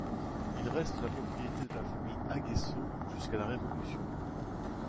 Il reste la propriété de la famille d'Aguesseau jusqu'à la Révolution.